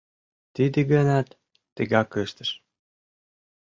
Тиде ганат тыгак ыштыш.